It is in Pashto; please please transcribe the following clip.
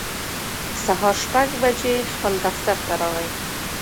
سهار شپږ بجې خپل دفتر راغی